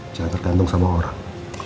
jangan tertentung sama orang